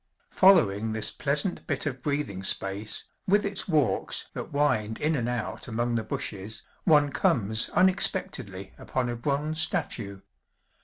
Following this pleasant bit of breathing space, with its walks that wind in and out among the bushes, one comes unexpectedly upon a bronze statue.